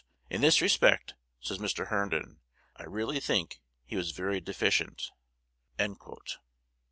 "In this respect," says Mr. Herndon, "I really think he was very deficient."